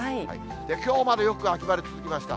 きょうまでよく秋晴れ続きました。